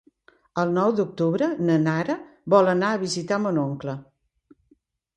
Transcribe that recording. El nou d'octubre na Nara vol anar a visitar mon oncle.